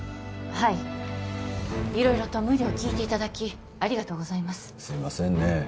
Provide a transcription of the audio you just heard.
はい色々と無理を聞いていただきありがとうございますすいませんね